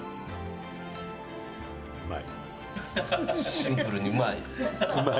シンプルにうまい！